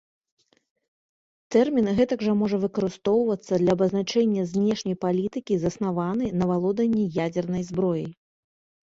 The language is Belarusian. Тэрмін гэтак жа можа выкарыстоўвацца для абазначэння знешняй палітыкі заснаваны на валоданні ядзернай зброяй.